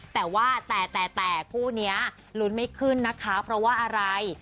แต่ว่าแต่แต่คู่นี้ลุ้นไม่ขึ้นนะคะเพราะว่าอะไร